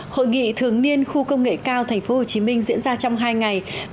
hội nghị thường niên khu công nghệ cao tp hcm diễn ra trong hai ngày